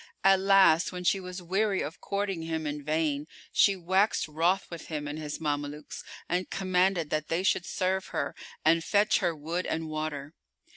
At last, when she was weary of courting him in vain, she waxed wroth with him and his Mamelukes, and commanded that they should serve her and fetch her wood and water.